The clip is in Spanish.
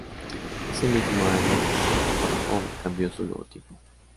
Ese mismo año, Vodafone cambió su logotipo.